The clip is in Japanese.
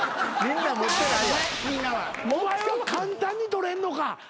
お前は簡単に取れんのか？